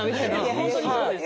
本当にそうです。